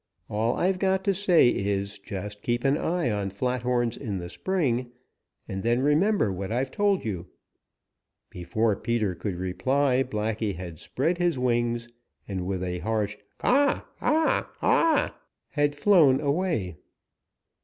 All I've got to say is just keep an eye on Flathorns in the spring and then remember what I've told you." Before Peter could reply Blacky had spread his wings, and with a harsh "Caw, caw, caw," had flown away.